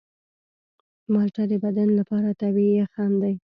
مالټه د بدن لپاره طبیعي یخن دی.